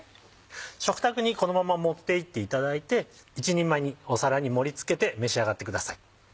食卓にこのまま持っていっていただいて１人前に皿に盛り付けて召し上がってください。